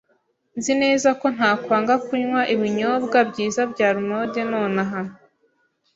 Nzi neza ko ntakwanga kunywa ibinyobwa byiza bya almonde nonaha.